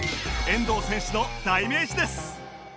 遠藤選手の代名詞です